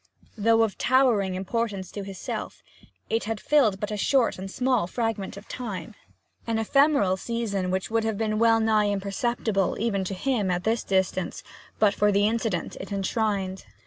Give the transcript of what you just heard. Though of towering importance to himself, it had filled but a short and small fragment of time, an ephemeral season which would have been wellnigh imperceptible, even to him, at this distance, but for the incident it enshrined.